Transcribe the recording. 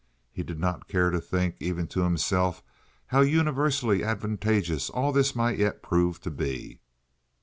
He did not care to think even to himself how universally advantageous all this might yet prove to be.